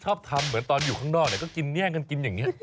ชอบทำเหมือนตอนอยู่ข้างนอกก็กินแย่งกันกินอย่างนี้